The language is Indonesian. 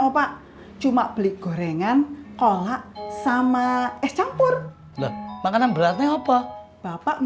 pak minta uang pak